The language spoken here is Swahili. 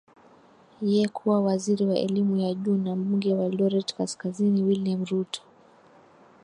yekuwa waziri wa elimu ya juu na mbunge wa eldoret kaskazini william ruto